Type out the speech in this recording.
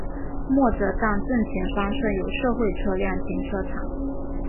默泽站正前方设有社会车辆停车场。